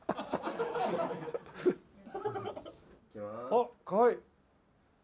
あっかわいい！